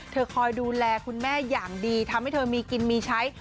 คอยดูแลคุณแม่อย่างดีทำให้เธอมีกินมีใช้